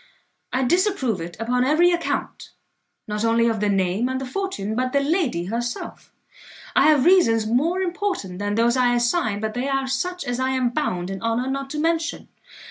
I disapprove it upon every account, not only of the name and the fortune, but the lady herself. I have reasons more important than those I assign, but they are such as I am bound in honour not to mention.